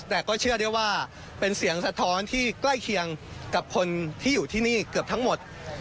แต่ก็เชื่อได้ว่าเป็นเสียงสะท้อนที่ใกล้เคียงกับคนที่อยู่ที่นี่เกือบทั้งหมด